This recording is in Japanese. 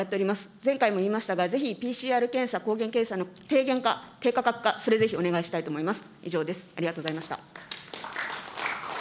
前回も言いましたが、ぜひＰＣＲ検査、抗原検査の低価格化、それをぜひお願いしたいと思います。